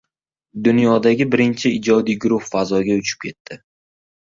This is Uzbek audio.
Dunyodagi birinchi ijodiy guruh fazoga uchib ketdi